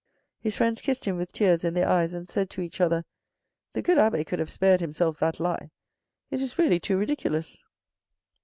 His friends kissed him with tears in their eyes, and said to each other, " The good abbe could have spared himself that lie. It is really too ridiculous."